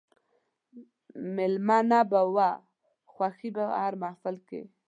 مېلمنه به وه خوښي په هر محل کښي